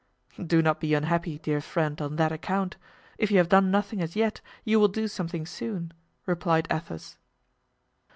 "Do not be unhappy, dear friend, on that account; if you have done nothing as yet, you will do something soon," replied Athos.